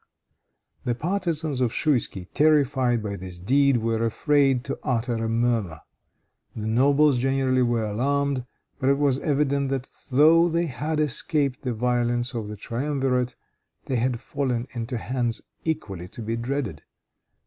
The partisans of Schouisky, terrified by this deed, were afraid to utter a murmur. The nobles generally were alarmed, for it was evident that though they had escaped the violence of the triumvirate, they had fallen into hands equally to be dreaded.